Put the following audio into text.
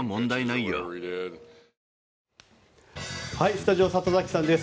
スタジオ里崎さんです。